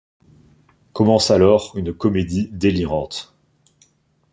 Commence alors une comédie délirante.